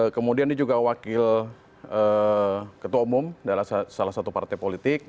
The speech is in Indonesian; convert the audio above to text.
kemudian dia juga wakil ketua umum salah satu partai politik